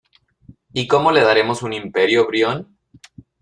¿ y cómo le daremos un Imperio, Brión?